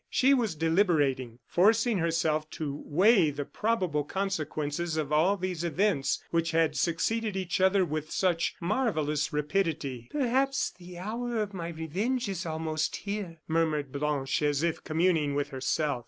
She was deliberating, forcing herself to weigh the probable consequences of all these events which had succeeded each other with such marvellous rapidity. "Perhaps the hour of my revenge is almost here," murmured Blanche, as if communing with herself.